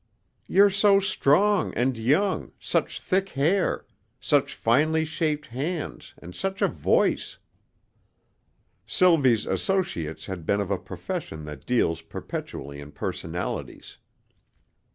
"You're so strong and young, such thick hair, such finely shaped hands and such a voice." Sylvie's associates had been of a profession that deals perpetually in personalities.